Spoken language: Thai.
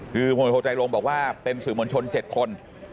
คือพลโทใจลงบอกว่าเป็นสื่อมวลชน๗คน